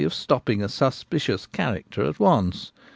171 of stopping a suspicious character at once.